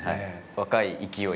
若い勢い。